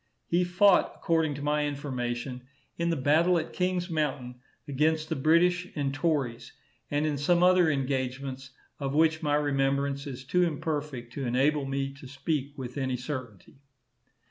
He fought, according to my information, in the battle at Kings Mountain against the British and tories, and in some other engagements of which my remembrance is too imperfect to enable me to speak with any certainty.